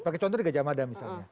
pakai contoh di gajah mada misalnya